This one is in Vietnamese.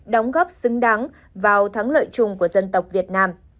đóng góp xứng đáng vào thắng lợi chung của dân tộc việt nam